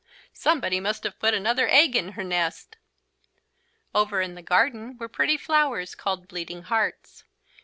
Somebody must have put another egg in her nest." Over in the garden were pretty flowers called Bleeding Hearts.